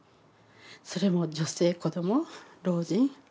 それも女性子ども老人。